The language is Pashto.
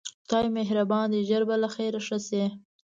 خدای مهربان دی ژر به له خیره ښه شې.